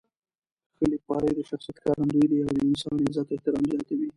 ښه لیکوالی د شخصیت ښکارندوی دی او د انسان عزت او احترام زیاتوي.